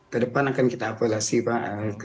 ke depan akan kita evaluasi pak